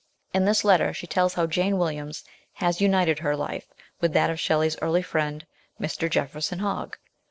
In this letter she tells how Jane Williams has united her life with that of Shelley's early friend, 12 * 180 MRS. SHELLEY. Mr. Jefferson Hogg.